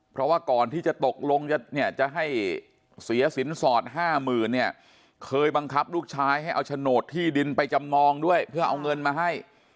เพราะว่าก่อนที่จะตกลงจะเนี่ยจะให้เสียสินสอด๕๐๐๐เนี่ยเคยบังคับลูกชายให้เอาโฉนดที่ดินไปจำนองด้วยเพื่อเอาเงินมาให้